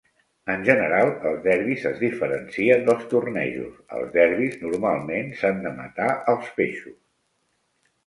En general, els derbis es diferencien dels tornejos; als derbis, normalment, s'han de matar els peixos.